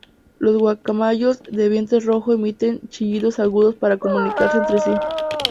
Los guacamayos de vientre rojo emiten chillidos agudos para comunicarse entre sí.